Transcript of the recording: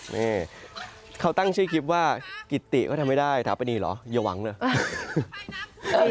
นี่เขาตั้งชื่อคลิปว่ากิติก็ทำไม่ได้ถาปนีเหรออย่าหวังเลย